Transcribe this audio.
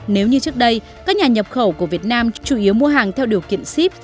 nếu như trước đây các nhà nhập khẩu của việt nam chủ yếu mua hàng theo điều kiện ship